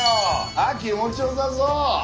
あっ気持ちよさそう。